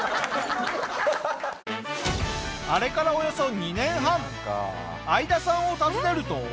あれからおよそ２年半アイダさんを訪ねると。